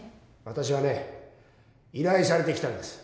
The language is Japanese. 私はね依頼されて来たんです。